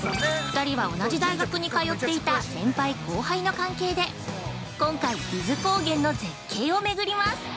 ２人は同じ大学に通っていた先輩・後輩の関係で、今回、伊豆高原の絶景をめぐります。